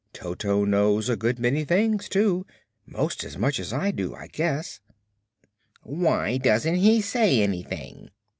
Toto knows a good many things, too; 'most as much as I do, I guess." "Why doesn't he say anything?"